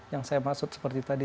yang saya maksud seperti tadi